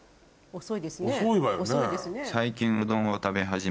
遅いですね。